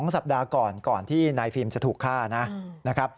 สัปดาห์ก่อนก่อนที่นายฟิล์มจะถูกฆ่านะครับ